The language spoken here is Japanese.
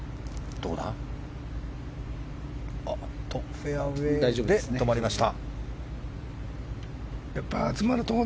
フェアウェーで止まりました。